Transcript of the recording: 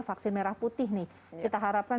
vaksin merah putih nih kita harapkan